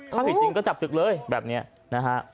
ถ้าผิดจริงก็จับศึกเลยแบบนี้นะฮะ